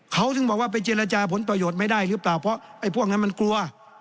เขาถึงบอกว่าไปเจรจาผลประโยชน์ไม่ได้หรือเปล่าเพราะไอ้พวกนั้นมันกลัว